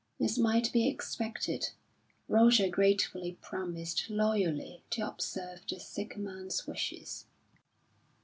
As might be expected, Roger gratefully promised loyally to observe the sick man's wishes.